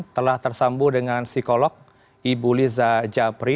telah tersambung dengan psikolog ibu liza japri